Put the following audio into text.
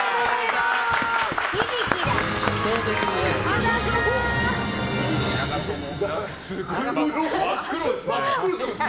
そうです。